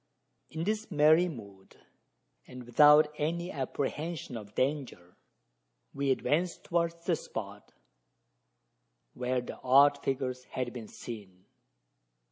In this merry mood, and without any apprehension of danger, we advanced towards the spot where the odd figures had been seen.